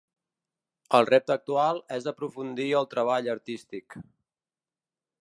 El repte actual és aprofundir el treball artístic.